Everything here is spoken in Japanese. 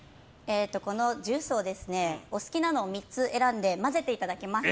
このジュースをお好きなのを３つ選んで混ぜていただきます。